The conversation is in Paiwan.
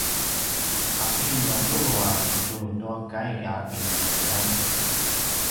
’aki madjulu a kitulu tua kai a pinayuanan?